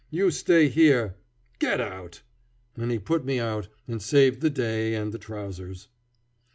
You stay here. Get out!" And he put me out, and saved the day and the trousers.